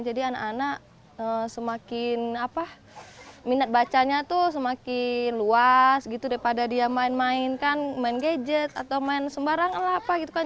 jadi anak anak semakin minat bacanya semakin luas daripada dia main main gadget atau main sembarangan